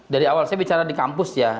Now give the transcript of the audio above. dari awal saya bicara di kampus ya